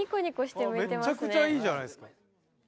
めちゃくちゃいいじゃないですか。